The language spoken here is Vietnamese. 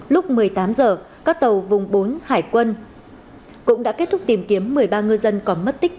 lúc một mươi tám h các tàu vùng bốn hải quân cũng đã kết thúc tìm kiếm một mươi ba ngư dân có mất tích